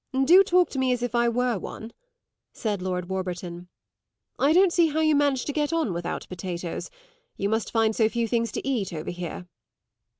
"Do talk to me as if I were one," said Lord Warburton. "I don't see how you manage to get on without potatoes; you must find so few things to eat over here."